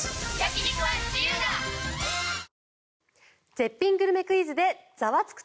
絶品グルメクイズで「ザワつく！」